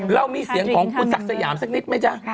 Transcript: เรามีเสียงของคุณศักดิ์สยามสักนิดไหมจ๊ะ